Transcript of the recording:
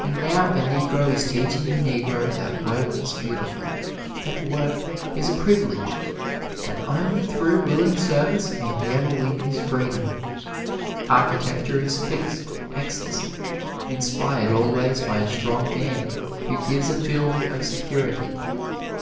And now a Negro is teaching the Negro that work is beautiful that work is a privilege that only through willing service can he ever win his freedom. Architecture is fixed ecstasy, inspired always by a strong man who gives a feeling of security.